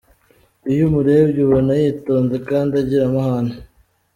Iyo umurebye ubona yitonze kandi agira amahane.